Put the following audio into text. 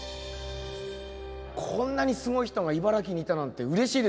こんなにすごい人が茨城にいたなんてうれしいですね。